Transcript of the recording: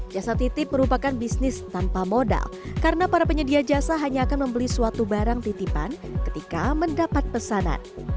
jasa titip merupakan bisnis tanpa modal karena para penyedia jasa hanya akan membeli suatu barang titipan ketika mendapat pesanan